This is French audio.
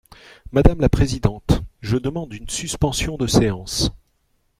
Madame la présidente, je demande une suspension de séance.